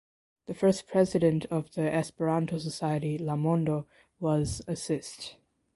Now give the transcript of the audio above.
The first president of the "Esperanto society "La Mondo"" was Assist.